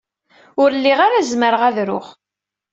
Ur lliɣ ara zemreɣ ad ruɣ.